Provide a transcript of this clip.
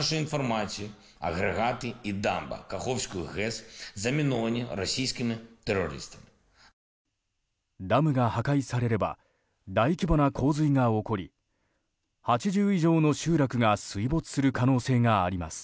ダムが破壊されれば大規模な洪水が起こり８０以上の集落が水没する可能性があります。